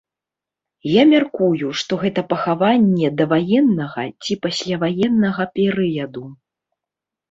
Я мяркую, што гэта пахаванне даваеннага ці пасляваеннага перыяду.